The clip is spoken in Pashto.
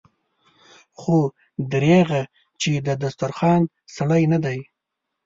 خو دريغه چې د دسترخوان سړی نه دی.